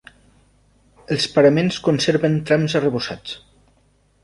Els paraments conserven trams arrebossats.